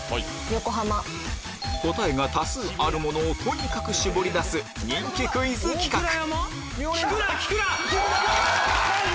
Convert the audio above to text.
答えが多数あるものをとにかく絞り出す人気クイズ企画菊名菊名！何？